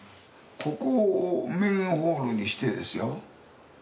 ここをメインホールにしてですよ